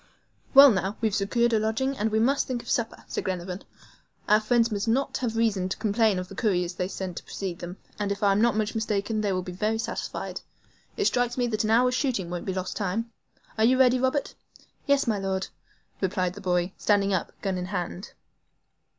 "Well, now we've secured a lodging, we must think of supper," said Glenarvan. "Our friends must not have reason to complain of the couriers they sent to precede them; and if I am not much mistaken, they will be very satisfied. It strikes me that an hour's shooting won't be lost time. Are you ready, Robert?" "Yes, my Lord," replied the boy, standing up, gun in hand.